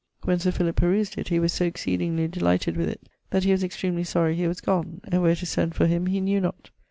When Sir Philip perused it, he was so exceedingly delighted with it, that he was extremely sorry he was gonne, and where to send for him he knew not.